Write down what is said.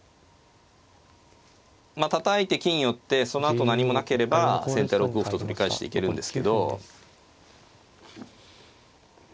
まあたたいて金寄ってそのあと何もなければ先手は６五歩と取り返していけるんですけど。